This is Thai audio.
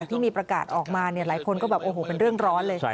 ที่มีประกาศออกมาเนี่ยหลายคนก็แบบโอ้โหเป็นเรื่องร้อนเลย